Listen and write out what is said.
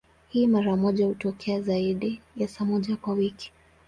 Hii mara nyingi hutokea zaidi ya saa moja kwa siku.